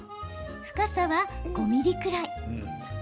深さは、５ｍｍくらい。